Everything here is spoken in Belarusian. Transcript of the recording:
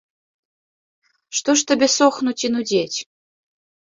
Што ж табе сохнуць і нудзець?